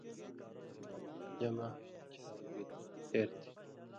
موبائل چارجہ مہ چھالُوں گتہ خیر تھی